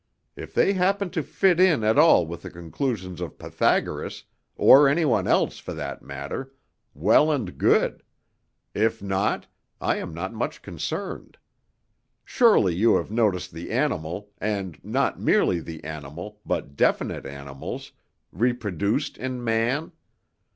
If they happen to fit in at all with the conclusions of Pythagoras or anyone else, for that matter well and good. If not, I am not much concerned. Surely you notice the animal and not merely the animal, but definite animals reproduced in man.